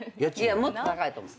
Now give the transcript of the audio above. いやもっと高いと思う。